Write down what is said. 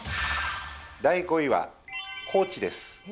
第５位は、高知です。